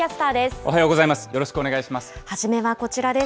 おはようございます。